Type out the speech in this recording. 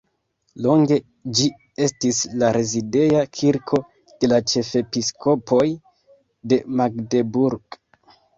Longe ĝi estis la rezideja kirko de la ĉefepiskopoj de Magdeburg.